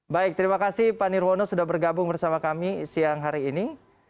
baik terima kasih pak nirwono sudah bergabung bersama kami siang hari ini